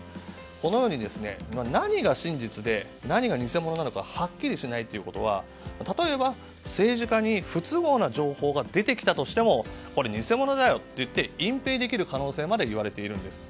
このように何が真実で何が偽物なのかはっきりしないということは例えば、政治家に不都合な情報が出てきたとしてもこれは偽物だよと隠蔽できる可能性までいわれているんです。